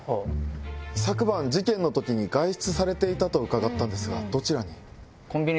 昨晩事件の時に外出されていたと伺ったんですがどちらに？